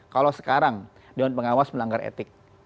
kalau sekarang dewan pengawas melanggar etik